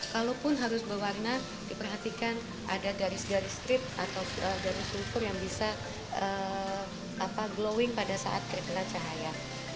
kalaupun harus berwarna diperhatikan ada garis garis strip atau garis kultur yang bisa glowing pada saat kayak bela cahaya